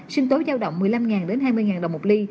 sinh tố giao động một mươi năm hai mươi đồng một ly